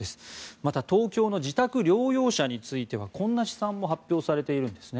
また東京の自宅療養者についてはこんな試算も発表されているんですね。